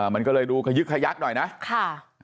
มันก็เลยดูขยึกขยักหน่อยนะค่ะ